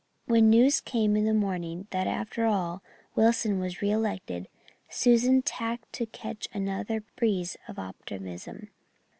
When news came in the morning that after all Wilson was re elected, Susan tacked to catch another breeze of optimism.